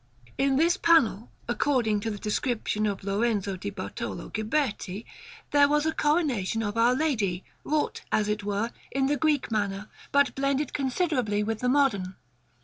In this panel, according to the description of Lorenzo di Bartolo Ghiberti, there was a Coronation of Our Lady, wrought, as it were, in the Greek manner, but blended considerably with the modern.